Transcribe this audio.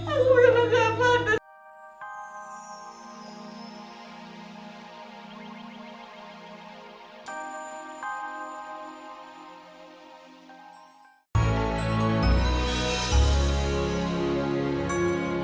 aku udah gak apa apa